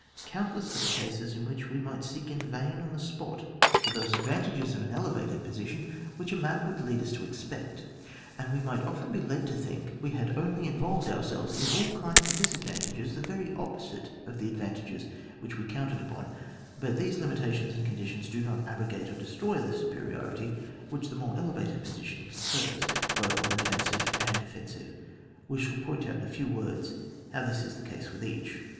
Countless are the cases in which we might seek in vain on the spot for those advantages CHAP, xvni.] COMMAND OF GROUND. 65 of an eievatad position wluch a map would lead us to expect ; and we might often be led to think we had only in volved ourselves in all kinds of disadvan tages, the very opposite of the advantages we counted upon. But these limitations and conditions do not abrogate or de stroy the superiority which the more elevated position confers, both on the defensive and offensive. "We shall point out, in a few words, how this is the case with each.